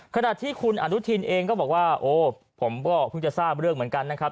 ขณะที่คุณอนุทินเองก็บอกว่าโอ้ผมก็เพิ่งจะทราบเรื่องเหมือนกันนะครับ